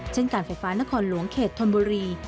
การไฟฟ้านครหลวงเขตธนบุรี